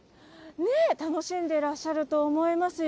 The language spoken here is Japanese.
ねえ、楽しんでらっしゃると思いますよ。